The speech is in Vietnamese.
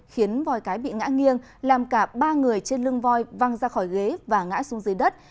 khiến voi cái bị ngã nghiêng làm cả ba người trên lưng voi văng ra khỏi ghế và ngã xuống dưới đất